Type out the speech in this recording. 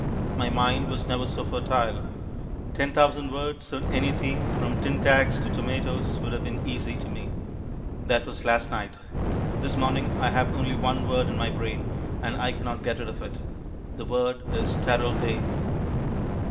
My mind was never so fertile. Ten thousand words on any theme from Tin tacks to Tomatoes would have been easy to me. That was last night. This morning I have only one word in my brain, and I cannot get rid of it. The word is "Teralbay."